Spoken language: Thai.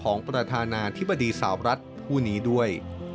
ของประธานาธิบดีสาวรัฐผู้นี้ด้วย